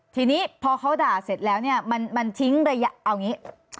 ทีนี้พอเขาด่าเสร็จแล้วเนี่ยมันทิ้งระยะเอาอย่างนี้